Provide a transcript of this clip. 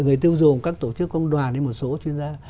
người tiêu dùng các tổ chức công đoàn hay một số chuyên gia